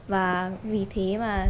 và vì thế